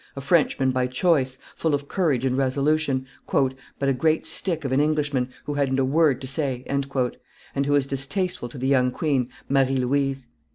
a Frenchman by choice, full of courage and resolution, "but a great stick of an Englishman, who hadn't a word to say," and who was distasteful to the young queen, Marie Louise.